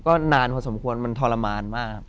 ก็นานพอสมควรมันทรมานมากครับ